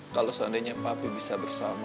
kalau seandainya papi bisa bersama